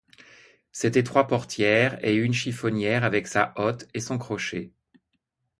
C'étaient trois portières et une chiffonnière avec sa hotte et son crochet.